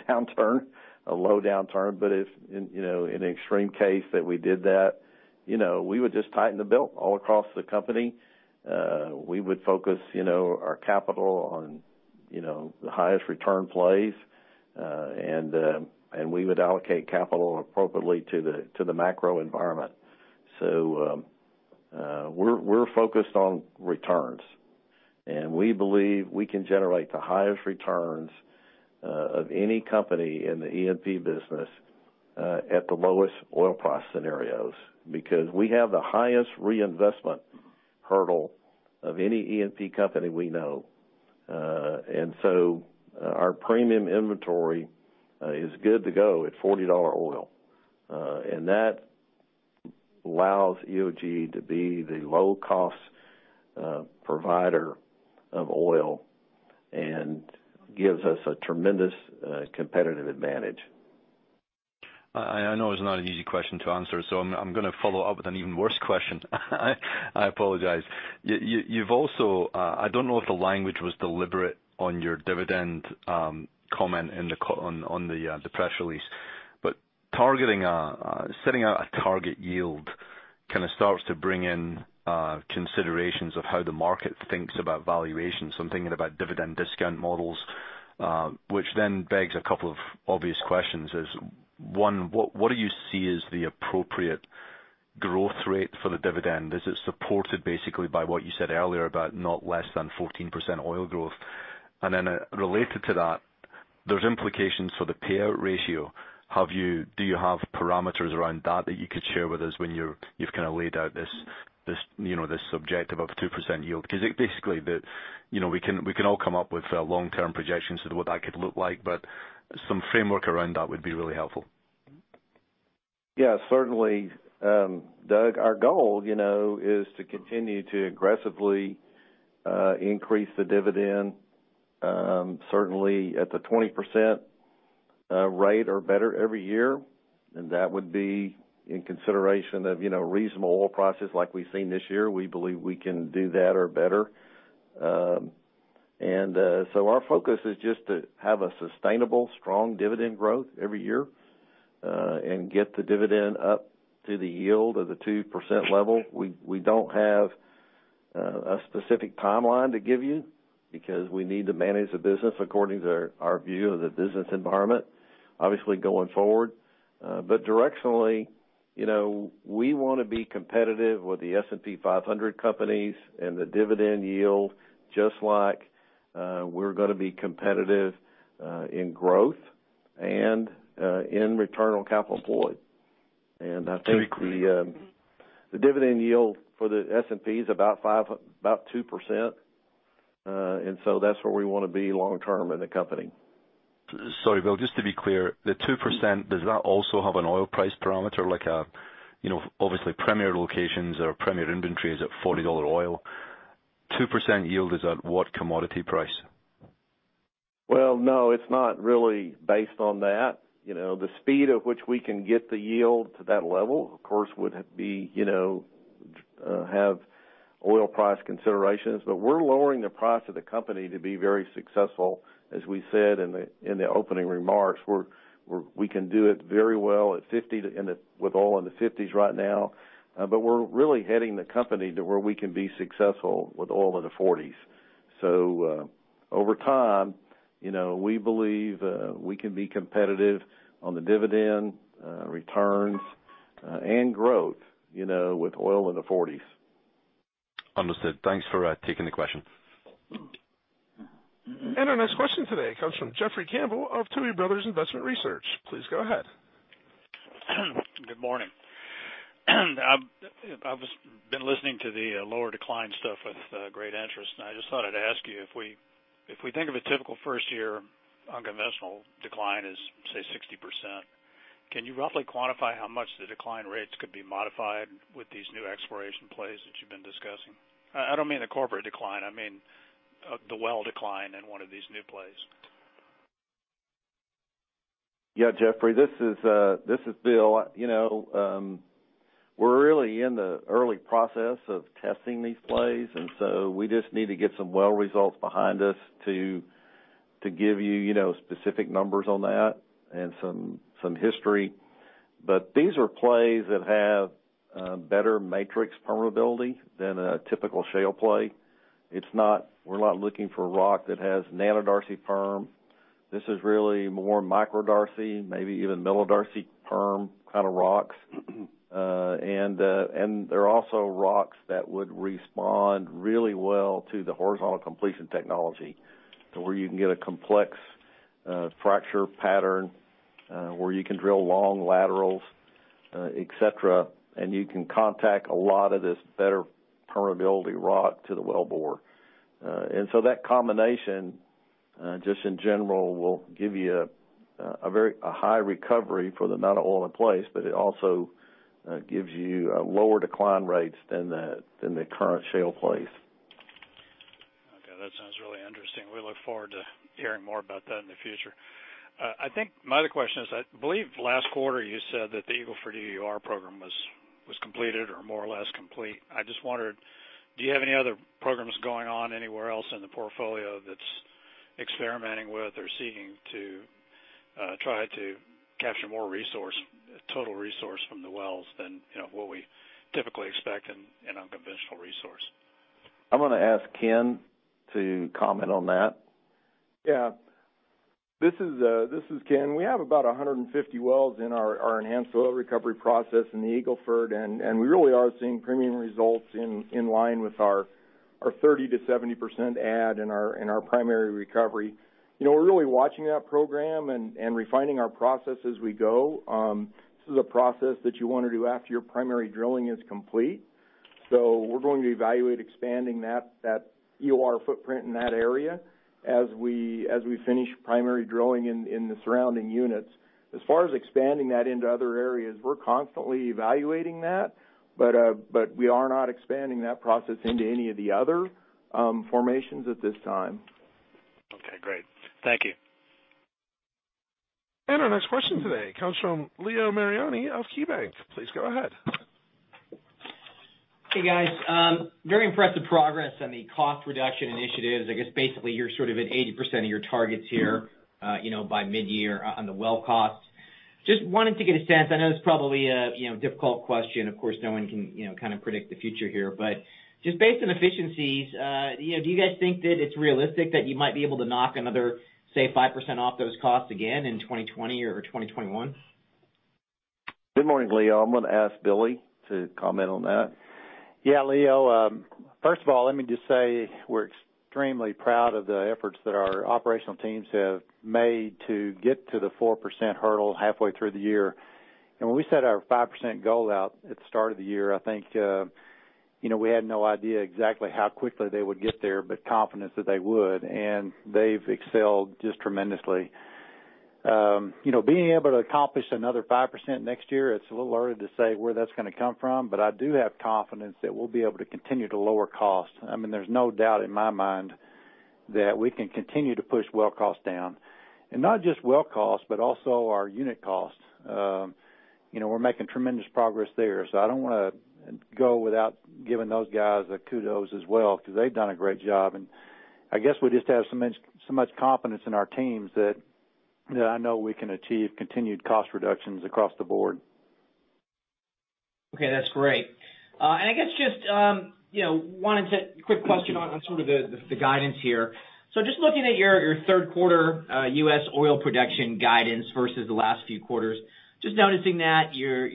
downturn, a low downturn. If in an extreme case that we did that, we would just tighten the belt all across the company. We would focus our capital on the highest return plays. We would allocate capital appropriately to the macro environment. We're focused on returns. We believe we can generate the highest returns of any company in the E&P business at the lowest oil price scenarios. Because we have the highest reinvestment hurdle of any E&P company we know. Our premium inventory is good to go at $40 oil. That allows EOG to be the low-cost provider of oil and gives us a tremendous competitive advantage. I know it's not an easy question to answer. I'm going to follow up with an even worse question. I apologize. I don't know if the language was deliberate on your dividend comment on the press release. Setting out a target yield kind of starts to bring in considerations of how the market thinks about valuation. I'm thinking about dividend discount models, which then begs a couple of obvious questions. Is one, what do you see as the appropriate growth rate for the dividend? Is it supported basically by what you said earlier about not less than 14% oil growth? Then related to that, there's implications for the payout ratio. Do you have parameters around that you could share with us when you've kind of laid out this objective of a 2% yield? Basically, we can all come up with long-term projections of what that could look like, but some framework around that would be really helpful. Yeah, certainly. Doug, our goal is to continue to aggressively increase the dividend, certainly at the 20% rate or better every year. That would be in consideration of reasonable oil prices like we've seen this year. We believe we can do that or better. Our focus is just to have a sustainable, strong dividend growth every year, and get the dividend up to the yield of the 2% level. We don't have a specific timeline to give you, because we need to manage the business according to our view of the business environment, obviously going forward. Directionally, we want to be competitive with the S&P 500 companies and the dividend yield, just like we're going to be competitive in growth and in return on capital employed. I think the dividend yield for the S&P is about 2%, and so that's where we want to be long term in the company. Sorry, Bill, just to be clear, the 2%, does that also have an oil price parameter? Obviously, premier locations or premier inventory is at $40 oil. 2% yield is at what commodity price? Well, no, it's not really based on that. The speed at which we can get the yield to that level, of course, would have oil price considerations, but we're lowering the price of the company to be very successful, as we said in the opening remarks. We can do it very well with oil in the $50s right now. We're really heading the company to where we can be successful with oil in the $40s. Over time, we believe we can be competitive on the dividend returns and growth with oil in the $40s. Understood. Thanks for taking the question. Our next question today comes from Jeffrey Campbell of Tuohy Brothers Investment Research. Please go ahead. Good morning. I've been listening to the lower decline stuff with great interest, and I just thought I'd ask you if we think of a typical first-year unconventional decline as, say, 60%, can you roughly quantify how much the decline rates could be modified with these new exploration plays that you've been discussing? I don't mean the corporate decline, I mean the well decline in one of these new plays. Jeffrey, this is Bill. We're really in the early process of testing these plays. We just need to get some well results behind us to give you specific numbers on that and some history. These are plays that have better matrix permeability than a typical shale play. We're not looking for a rock that has nanodarcy perm. This is really more microdarcy, maybe even millidarcy perm kind of rocks. They're also rocks that would respond really well to the horizontal completion technology, to where you can get a complex fracture pattern, where you can drill long laterals, et cetera, and you can contact a lot of this better permeability rock to the wellbore. That combination, just in general, will give you a high recovery for the amount of oil in place, but it also gives you lower decline rates than the current shale plays. Okay. That sounds really interesting. We look forward to hearing more about that in the future. I think my other question is, I believe last quarter you said that the Eagle Ford EOR program was completed or more or less complete. I just wondered, do you have any other programs going on anywhere else in the portfolio that's experimenting with or seeking to try to capture more total resource from the wells than what we typically expect in an unconventional resource? I'm going to ask Ken to comment on that. This is Ken. We have about 150 wells in our enhanced oil recovery process in the Eagle Ford, and we really are seeing premium results in line with our 30%-70% add in our primary recovery. We're really watching that program and refining our process as we go. This is a process that you want to do after your primary drilling is complete. We're going to evaluate expanding that EOR footprint in that area as we finish primary drilling in the surrounding units. As far as expanding that into other areas, we're constantly evaluating that, but we are not expanding that process into any of the other formations at this time. Okay, great. Thank you. Our next question today comes from Leo Mariani of KeyBank. Please go ahead. Hey, guys. Very impressive progress on the cost reduction initiatives. I guess basically you're sort of at 80% of your targets here by mid-year on the well costs. Just wanted to get a sense, I know it's probably a difficult question, of course no one can predict the future here, but just based on efficiencies, do you guys think that it's realistic that you might be able to knock another, say, 5% off those costs again in 2020 or 2021? Good morning, Leo. I'm going to ask Billy to comment on that. Yeah, Leo. First of all, let me just say we're extremely proud of the efforts that our operational teams have made to get to the 4% hurdle halfway through the year. When we set our 5% goal out at the start of the year, I think we had no idea exactly how quickly they would get there, but confidence that they would, and they've excelled just tremendously. Being able to accomplish another 5% next year, it's a little early to say where that's going to come from, but I do have confidence that we'll be able to continue to lower costs. There's no doubt in my mind that we can continue to push well costs down. Not just well costs, but also our unit costs. We're making tremendous progress there, so I don't want to go without giving those guys a kudos as well, because they've done a great job, and I guess we just have so much confidence in our teams that I know we can achieve continued cost reductions across the board. Okay, that's great. I guess just a quick question on sort of the guidance here. Just looking at your third quarter U.S. oil production guidance versus the last few quarters, just noticing that your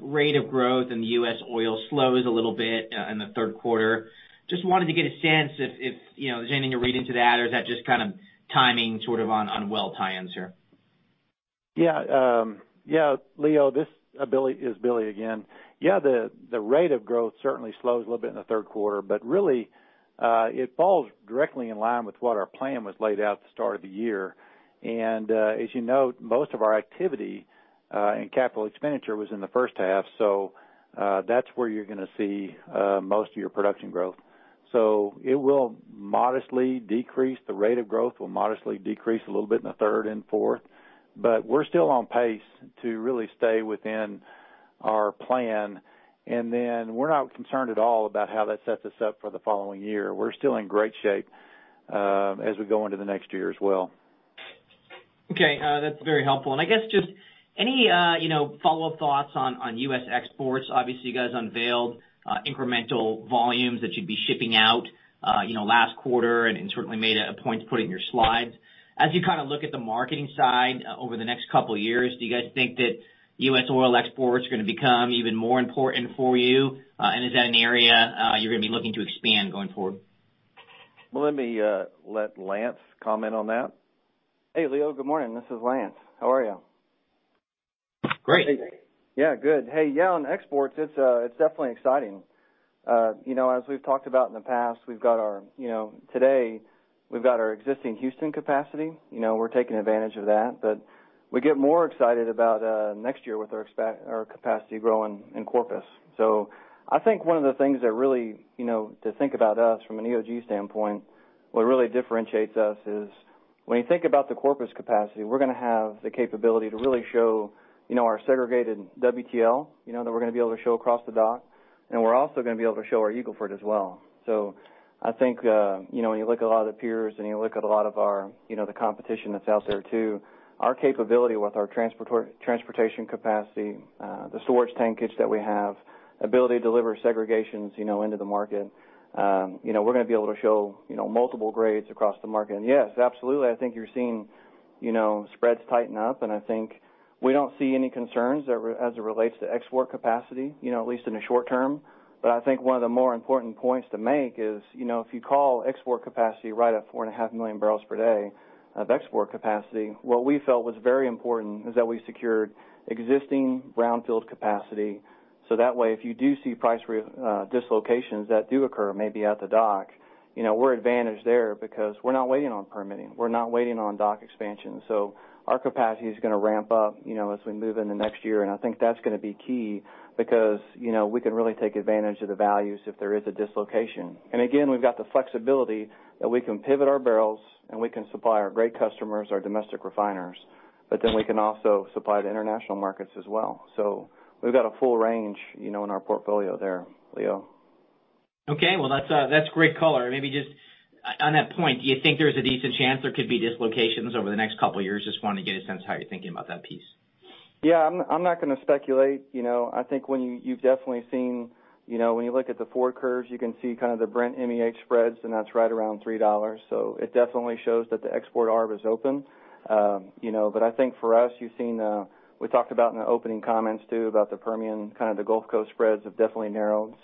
rate of growth in the U.S. oil slows a little bit in the third quarter. Just wanted to get a sense if there's anything you read into that, or is that just timing on well tie-ins here? Leo, this is Billy again. The rate of growth certainly slows a little bit in the third quarter, really it falls directly in line with what our plan was laid out at the start of the year. As you note, most of our activity and capital expenditure was in the first half, that's where you're going to see most of your production growth. It will modestly decrease. The rate of growth will modestly decrease a little bit in the third and fourth, we're still on pace to really stay within our plan, we're not concerned at all about how that sets us up for the following year. We're still in great shape as we go into the next year as well. Okay. That's very helpful. I guess just any follow-up thoughts on U.S. exports? Obviously, you guys unveiled incremental volumes that you'd be shipping out last quarter, and certainly made a point to put it in your slides. As you look at the marketing side over the next couple of years, do you guys think that U.S. oil exports are going to become even more important for you? Is that an area you're going to be looking to expand going forward? Well, let me let Lance comment on that. Hey, Leo. Good morning. This is Lance. How are you? Great. Yeah, good. Hey. Yeah, on exports, it's definitely exciting. As we've talked about in the past, today we've got our existing Houston capacity. We're taking advantage of that, but we get more excited about next year with our capacity growing in Corpus. I think one of the things to think about us from an EOG standpoint, what really differentiates us is when you think about the Corpus capacity, we're going to have the capability to really show our segregated WTL, that we're going to be able to show across the dock, and we're also going to be able to show our Eagle Ford as well. I think, when you look at a lot of the peers and you look at a lot of the competition that's out there too, our capability with our transportation capacity, the storage tankage that we have, ability to deliver segregations into the market. We're going to be able to show multiple grades across the market. Yes, absolutely, I think you're seeing spreads tighten up, and I think we don't see any concerns as it relates to export capacity, at least in the short term. I think one of the more important points to make is, if you call export capacity right at 4.5 million barrels per day of export capacity, what we felt was very important is that we secured existing brownfield capacity. That way, if you do see price dislocations that do occur maybe at the dock, we're advantaged there because we're not waiting on permitting. We're not waiting on dock expansion. Our capacity is going to ramp up as we move into next year, I think that's going to be key because we can really take advantage of the values if there is a dislocation. Again, we've got the flexibility that we can pivot our barrels, and we can supply our great customers, our domestic refiners, we can also supply the international markets as well. We've got a full range in our portfolio there, Leo. Okay. Well, that's great color. Maybe just on that point, do you think there's a decent chance there could be dislocations over the next couple of years? Just want to get a sense how you're thinking about that piece. Yeah, I'm not going to speculate. I think you've definitely seen, when you look at the forward curves, you can see the Brent MEH spreads, and that's right around $3. It definitely shows that the export arm is open. I think for us, we talked about in the opening comments too, about the Permian, the Gulf Coast spreads have definitely narrowed.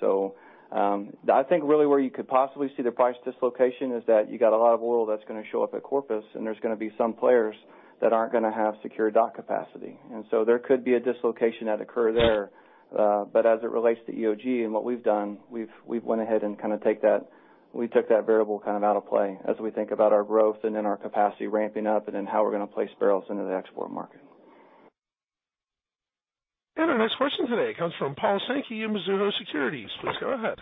I think really where you could possibly see the price dislocation is that you got a lot of oil that's going to show up at Corpus, and there's going to be some players that aren't going to have secure dock capacity. There could be a dislocation that occur there. As it relates to EOG and what we've done, we've gone ahead and we took that variable out of play as we think about our growth and then our capacity ramping up and then how we're going to place barrels into the export market. Our next question today comes from Paul Sankey of Mizuho Securities. Please go ahead.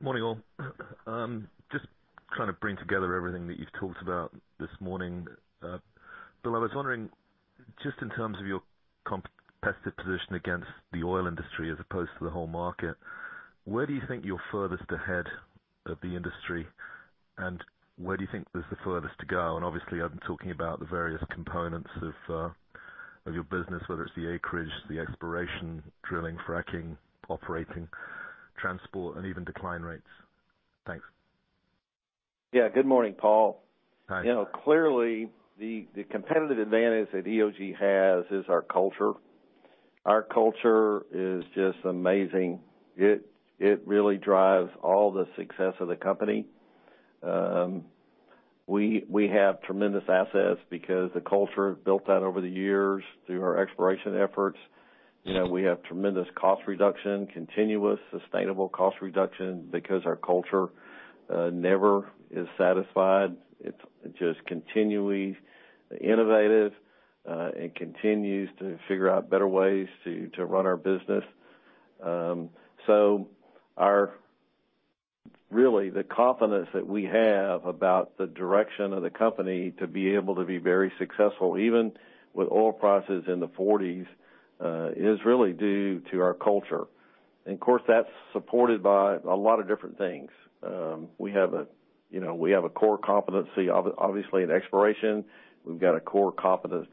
Morning, all. Just bring together everything that you've talked about this morning. Bill, I was wondering, just in terms of your competitive position against the oil industry as opposed to the whole market, where do you think you're furthest ahead of the industry, and where do you think there's the furthest to go? Obviously, I'm talking about the various components of your business, whether it's the acreage, the exploration, drilling, fracking, operating, transport, and even decline rates. Thanks. Yeah. Good morning, Paul. Hi. Clearly, the competitive advantage that EOG has is our culture. Our culture is just amazing. It really drives all the success of the company. We have tremendous assets because the culture built that over the years through our exploration efforts. We have tremendous cost reduction, continuous, sustainable cost reduction because our culture never is satisfied. It's just continually innovative, and continues to figure out better ways to run our business. Really the confidence that we have about the direction of the company to be able to be very successful, even with oil prices in the $40s, is really due to our culture. Of course, that's supported by a lot of different things. We have a core competency, obviously, in exploration. We've got a core competency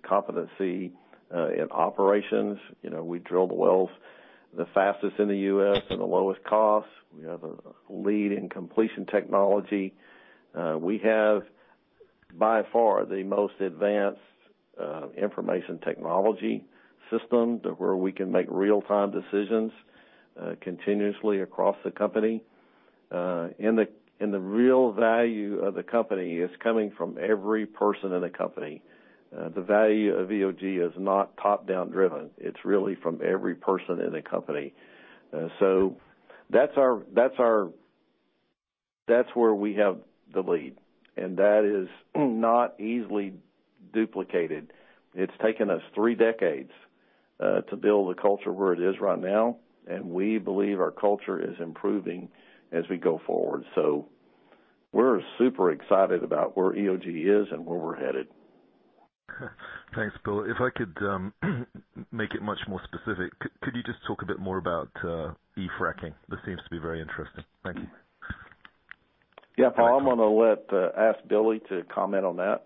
in operations. We drill the wells the fastest in the U.S. at the lowest cost. We have a lead in completion technology. We have, by far, the most advanced information technology system to where we can make real-time decisions continuously across the company. The real value of the company is coming from every person in the company. The value of EOG is not top-down driven. It's really from every person in the company. That's where we have the lead, and that is not easily duplicated. It's taken us three decades to build the culture where it is right now, and we believe our culture is improving as we go forward. We're super excited about where EOG is and where we're headed. Thanks, Bill. If I could make it much more specific, could you just talk a bit more about E fracking? That seems to be very interesting. Thank you. Paul, I'm going to ask Billy to comment on that.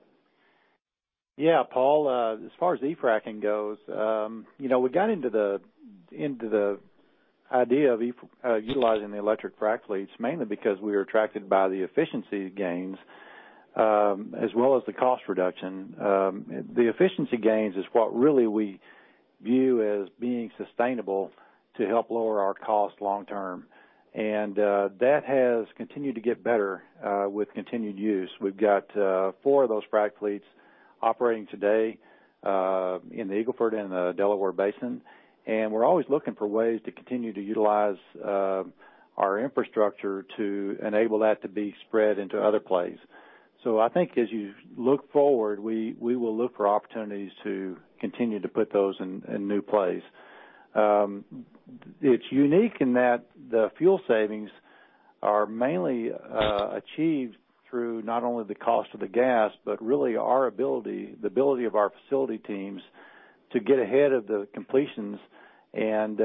Yeah, Paul, as far as e-fracking goes, we got into the idea of utilizing the electric frac fleets mainly because we were attracted by the efficiency gains, as well as the cost reduction. The efficiency gains is what really we view as being sustainable to help lower our cost long term, and that has continued to get better with continued use. We've got four of those frac fleets operating today in the Eagle Ford and the Delaware Basin, and we're always looking for ways to continue to utilize our infrastructure to enable that to be spread into other plays. I think as you look forward, we will look for opportunities to continue to put those in new plays. It's unique in that the fuel savings are mainly achieved through not only the cost of the gas, but really our ability, the ability of our facility teams, to get ahead of the completions and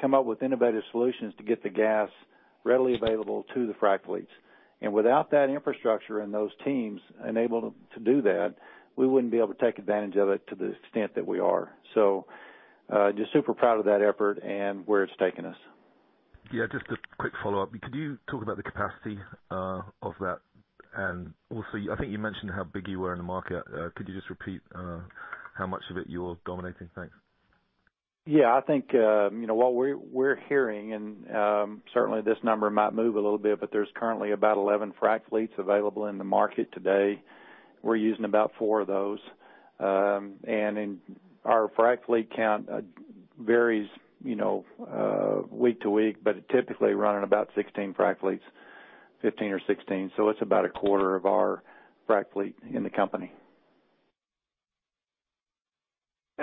come up with innovative solutions to get the gas readily available to the frac fleets. Without that infrastructure and those teams enabled to do that, we wouldn't be able to take advantage of it to the extent that we are. Just super proud of that effort and where it's taken us. Yeah, just a quick follow-up. Could you talk about the capacity of that? Also, I think you mentioned how big you were in the market. Could you just repeat how much of it you're dominating? Thanks. Yeah. I think, what we're hearing, and certainly this number might move a little bit, but there's currently about 11 frac fleets available in the market today. We're using about four of those. Our frac fleet count varies week to week, but typically running about 16 frac fleets, 15 or 16. It's about a quarter of our frac fleet in the company.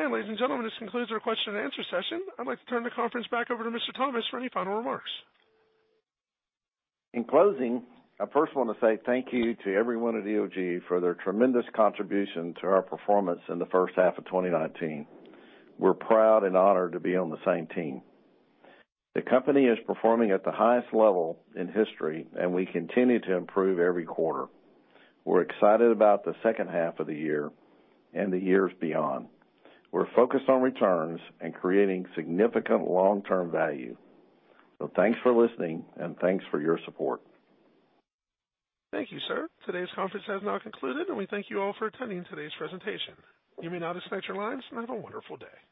Ladies and gentlemen, this concludes our question and answer session. I'd like to turn the conference back over to Mr. Thomas for any final remarks. In closing, I first want to say thank you to everyone at EOG for their tremendous contribution to our performance in the first half of 2019. We're proud and honored to be on the same team. The company is performing at the highest level in history, and we continue to improve every quarter. We're excited about the second half of the year and the years beyond. We're focused on returns and creating significant long-term value. Thanks for listening and thanks for your support. Thank you, sir. Today's conference has now concluded, and we thank you all for attending today's presentation. You may now disconnect your lines, and have a wonderful day.